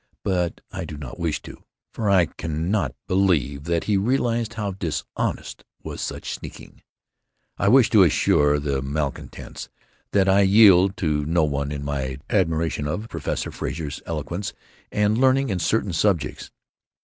But I do not wish to. For I cannot believe that he realized how dishonest was such sneaking. "I wish to assure the malcontents that I yield to no one in my admiration of Professor Frazer's eloquence and learning in certain subjects.